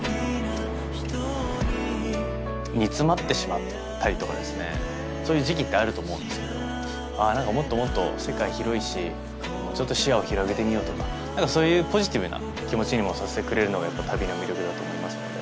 煮詰まってしまったりとかですねそういう時期ってあると思うんですけどもっともっと世界広いしちょっと視野を広げてみようとかそういうポジティブな気持ちにもさせてくれるのが旅の魅力だと思いますので。